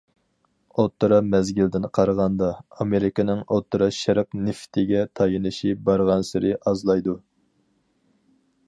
ئوتتۇرا مەزگىلدىن قارىغاندا، ئامېرىكىنىڭ ئوتتۇرا شەرق نېفىتىگە تايىنىشى بارغانسېرى ئازلايدۇ.